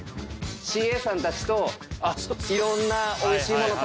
ＣＡさんたちといろんなおいしいもの